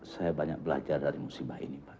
saya banyak belajar dari musibah ini pak